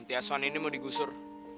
anti asuhan ini mau digusur